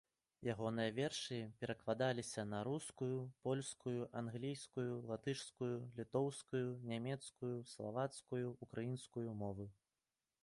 Ягоныя вершы перакладаліся на рускую, польскую, англійскую, латышскую, літоўскую, нямецкую, славацкую, украінскую мовы.